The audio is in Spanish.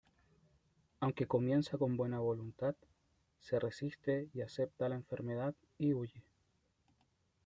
Aunque comienza con buena voluntad, se resiste a aceptar la enfermedad y huye.